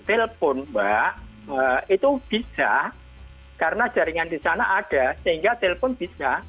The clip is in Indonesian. telpon mbak itu bisa karena jaringan di sana ada sehingga telepon bisa